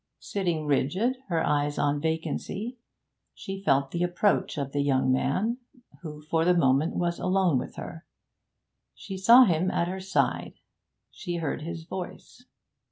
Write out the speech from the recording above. Sitting rigid, her eyes on vacancy, she felt the approach of the young man, who for the moment was alone with her. She saw him at her side: she heard his voice.